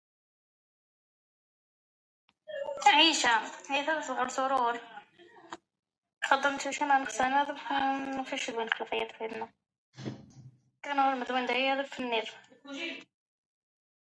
Nul n’y passe ; aucun navire ne s’y hasarde.